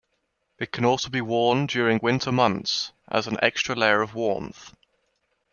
It can also be worn during winter months as an extra layer of warmth.